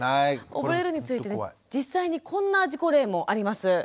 溺れるについて実際にこんな事故例もあります。